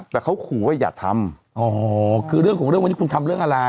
แต่เขาขู่ว่าอย่าทำอ๋อคือเรื่องของเรื่องวันนี้คุณทำเรื่องอะไร